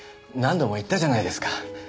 何度も言ったじゃないですか。